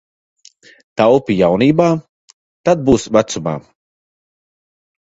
Taupi jaunībā, tad būs vecumā.